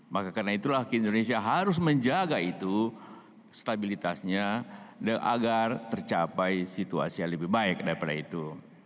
maka karena itulah indonesia harus menjaga itu stabilitasnya agar tercapai situasi yang lebih baik daripada itu